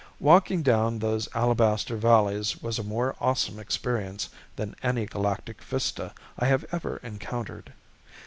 Walking down those alabaster valleys was a more awesome experience than any galactic vista I have ever encountered.